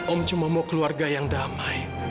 om cuma mau keluarga yang damai